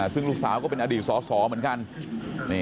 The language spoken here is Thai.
ซึ่งลูกสาวก็เป็นอดีตสอสอเหมือนกัน